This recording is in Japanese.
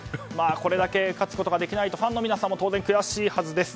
これだけ勝つことができないとファンの皆さんも当然悔しいはずです。